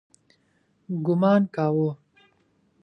ګومان کاوه.